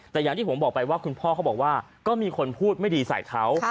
แต่อย่างที่ผมบอกไปว่าคุณพ่อเขาบอกว่าก็มีคนพูดไม่ดีใส่เขา